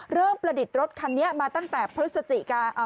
ประดิษฐ์รถคันนี้มาตั้งแต่พฤศจิกา